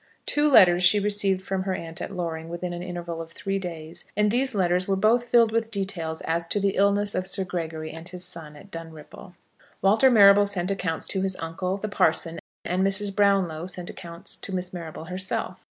Two letters she received from her aunt at Loring within an interval of three days, and these letters were both filled with details as to the illness of Sir Gregory and his son, at Dunripple. Walter Marrable sent accounts to his uncle, the parson, and Mrs. Brownlow sent accounts to Miss Marrable herself.